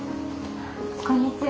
こんにちは。